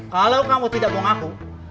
kalau kamu tidak bohong aku